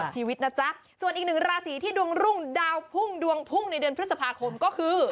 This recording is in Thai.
ชีวิตนะจ๊ะส่วนอีกหนึ่งราศีที่ดวงรุ่งดาวพุ่งดวงพุ่งในเดือนพฤษภาคมก็คือ